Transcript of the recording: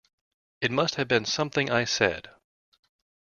It Must Have Been Something I Said!